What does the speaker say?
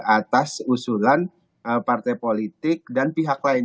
atas usulan partai politik dan pihak lain